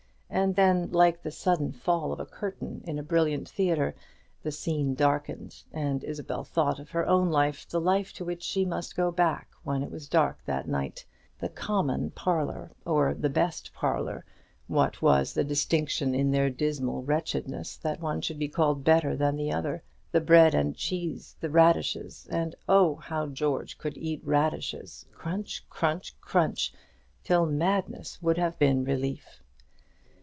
And then, like the sudden fall of a curtain in a brilliant theatre, the scene darkened, and Isabel thought of her own life the life to which she must go back when it was dark that night: the common parlour, or the best parlour, what was the distinction, in their dismal wretchedness, that one should be called better than the other? the bread and cheese, the radishes, and, oh, how George could eat radishes, crunch, crunch, crunch! till madness would have been relief.